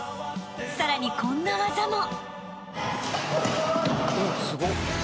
［さらにこんな技も］